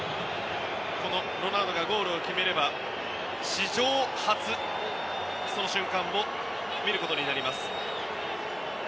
このロナウドがゴールを決めれば史上初、その瞬間を見ることになります。